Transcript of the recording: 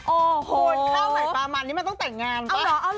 โอ้โหคุณข้าวใหม่ปลามันนี่มันต้องแต่งงานป่ะ